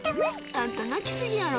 あんた泣きすぎやろ。